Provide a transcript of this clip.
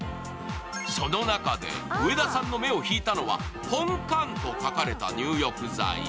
その中で、上田さんの目を引いたのは「ぽんかん」と書かれた入浴剤。